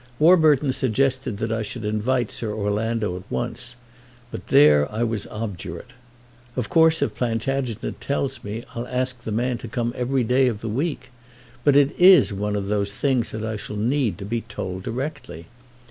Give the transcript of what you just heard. Warburton suggested that I should invite Sir Orlando at once; but there I was obdurate. Of course, if Plantagenet tells me I'll ask the man to come every day of the week; but it is one of those things that I shall need to be told directly.